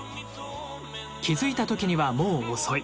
「気付いた時にはもうおそい。